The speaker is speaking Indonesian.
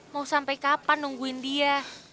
mau sampai kapan nungguin dia